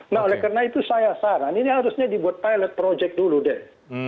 nah oleh karena itu saya saran ini harusnya dibuat pilot project dulu deh